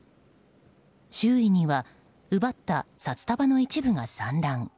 周囲には奪った札束の一部が散乱。